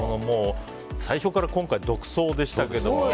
最初から今回は独走でしたけど。